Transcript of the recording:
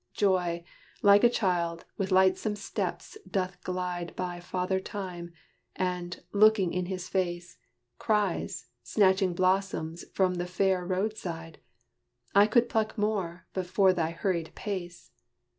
Joy, like a child, with lightsome steps doth glide By Father Time, and, looking in his face, Cries, snatching blossoms from the fair road side, "I could pluck more, but for thy hurried pace."